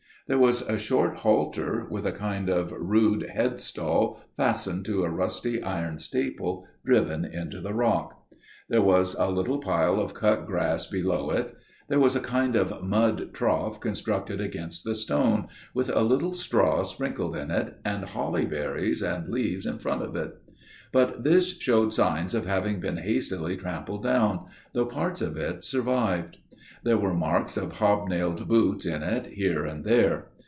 "There was a short halter, with a kind of rude head stall, fastened to a rusty iron staple driven into the rock. There was a little pile of cut grass below it. There was a kind of mud trough constructed against the stone, with a little straw sprinkled in it and holly berries and leaves in front of it; but this showed signs of having been hastily trampled down, though parts of it survived: there were marks of hob nailed boots in it here and there.